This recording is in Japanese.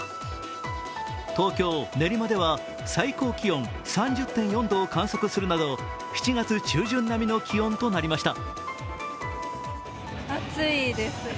東京・練馬では最高気温３０．４度を観測するなど７月中旬並みの気温となりました。